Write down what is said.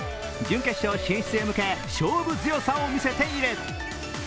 準決勝進出へ向け勝負強さを見せている。